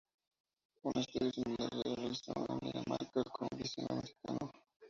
Un estudio similar se realizó en Dinamarca con visón americano.